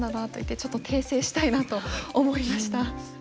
ちょっと訂正したいなと思いました。